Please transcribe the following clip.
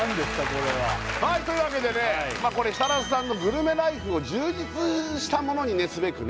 これはというわけでね設楽さんのグルメライフを充実したものにすべくね